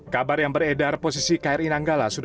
kepala kapal selam kri nanggala